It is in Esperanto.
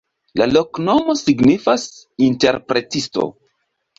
La loknomo signifas: interpretisto.